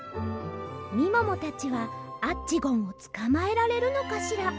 みももたちはアッチゴンをつかまえられるのかしら？